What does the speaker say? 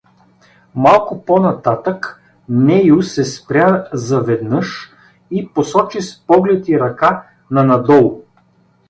Малко по-нататък Нею се спря заведнъж и посочи с поглед и ръка нанадолу.